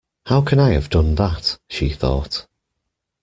‘How can I have done that?’ she thought.